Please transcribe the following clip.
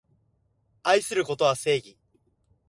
愛することは正義